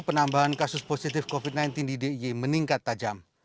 penambahan kasus positif covid sembilan belas di d i y meningkat tajam